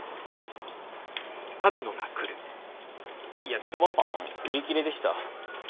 焼きそばパン売り切れでした。